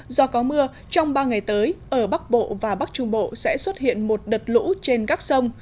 do có mưa trong ba ngày tới ở bắc bộ và bắc trung bộ sẽ xuất hiện một đợt lũ trên các sông